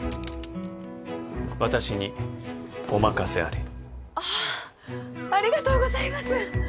私にお任せあれあっありがとうございます！